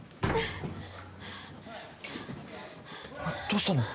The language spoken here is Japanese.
どうしたの？